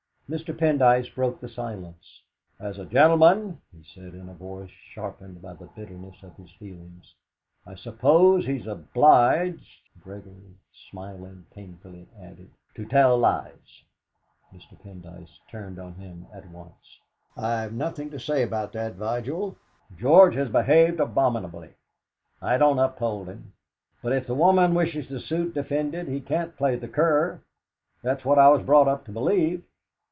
Mr. Pendyce broke the silence. "As a gentleman," he said in a voice sharpened by the bitterness of his feelings, "I suppose he's obliged " Gregory, smiling painfully, added: "To tell lies." Mr. Pendyce turned on him at once. "I've nothing to say about that, Vigil. George has behaved abominably. I don't uphold him; but if the woman wishes the suit defended he can't play the cur that's what I was brought up to believe."